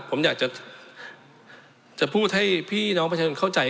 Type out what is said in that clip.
ผมอยากจะพูดให้พี่น้องประชาชนเข้าใจ